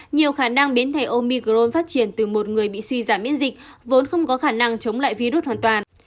nhiều khả năng biến thể omi grom phát triển từ một người bị suy giảm miễn dịch vốn không có khả năng chống lại virus hoàn toàn